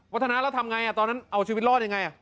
พัฒนาแล้วทำไงตอนนั้นเอาชีวิตรอดยังไง